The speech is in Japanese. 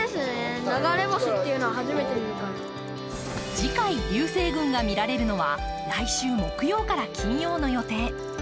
次回、流星群が見られるのは来週木曜から金曜の予定。